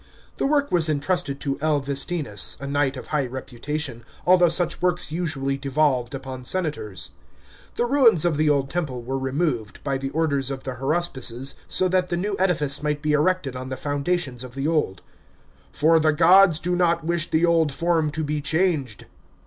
The work was entrusted to L. Vestinus, a knight of high reputation, although such works usually devolved upon senators. The ruins of the old temple were removed, by the orders of the haruspices, so that the new edifice might be erected on the foundations of the old ;" for the gods do not wish the old form to be changed."